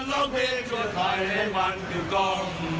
สวัสดีครับทุกคน